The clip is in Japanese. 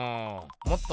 もっと？